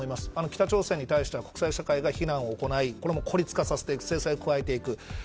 北朝鮮に対し国際社会が批判を行い孤立化させていく制裁を加えていく。